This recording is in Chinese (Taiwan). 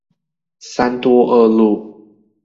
三多二路